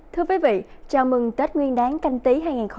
thưa quý vị chào mừng tết nguyên đáng canh tí hai nghìn hai mươi